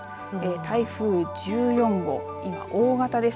台風１４号今大型です。